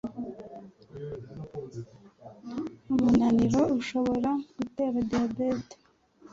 Umunaniro ushobora gutera diabète